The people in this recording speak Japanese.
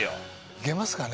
いけますかね？